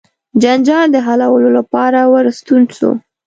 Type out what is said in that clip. جنجال د حلولو لپاره ورستون سو.